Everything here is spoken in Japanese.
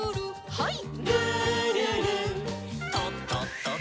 はい。